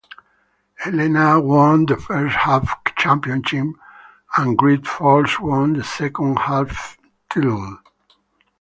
Helena won the first–half championship and Great Falls won the second–half title.